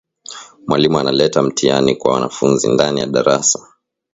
Mwalimu analeta mtiani kwa wanafunzi ndani ya darasa